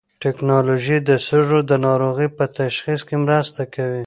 ټېکنالوژي د سږو د ناروغۍ په تشخیص کې مرسته کوي.